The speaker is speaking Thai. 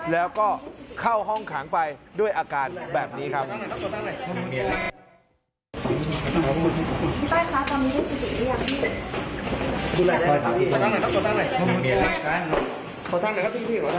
แล้วก็เข้าห้องขังไปด้วยอาการแบบนี้ครับ